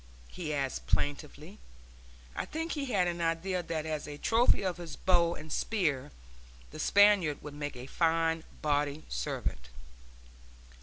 he asked, plaintively. I think he had an idea that as a trophy of his bow and spear the Spaniard would make a fine body servant.